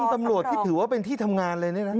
ที่ป้อมตำรวจที่ถือว่าเป็นที่ทำงานเลยเนี่ยนะครับ